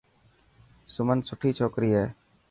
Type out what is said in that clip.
سمن سٺي ڇوڪري هي.